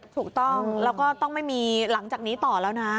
ถูกต้องแล้วก็ต้องไม่มีหลังจากนี้ต่อแล้วนะ